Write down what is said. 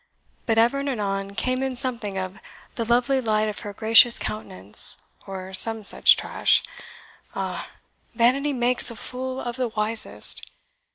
But ever and anon came in something of 'the lovely light of her gracious countenance,' or some such trash. Ah! vanity makes a fool of the wisest.